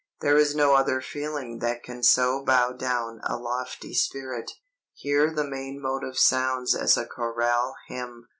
There is no other feeling that can so bow down a lofty spirit. "Here the main motive sounds as a choral hymn.